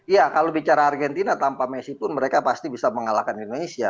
ya kalau bicara argentina tanpa messi pun mereka pasti bisa mengalahkan indonesia